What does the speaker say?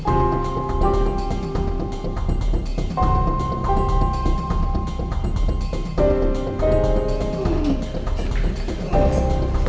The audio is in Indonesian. ini untuk reina ya